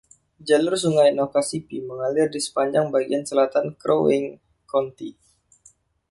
Jalur sungai Nokasippi mengalir di sepanjang bagian selatan Crow Wing County.